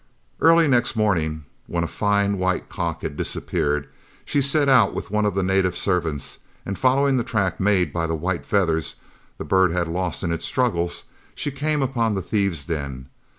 Early next morning, when a fine white cock had disappeared, she set out with one of the native servants, and, following the track made by the white feathers the bird had lost in its struggles, she came upon the thieves' den.